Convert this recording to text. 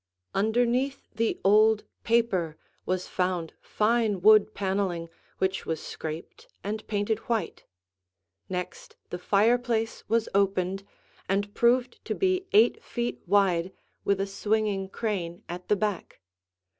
Underneath the old paper was found fine wood paneling which was scraped and painted white; next the fireplace was opened, and proved to be eight feet wide with a swinging crane at the back.